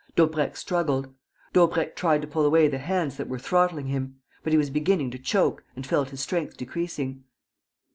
Daubrecq struggled. Daubrecq tried to pull away the hands that were throttling him; but he was beginning to choke and felt his strength decreasing.